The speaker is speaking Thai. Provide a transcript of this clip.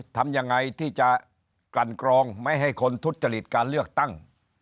ทำยังไงที่จะกลั่นกรองไม่ให้คนทุจริตการเลือกตั้ง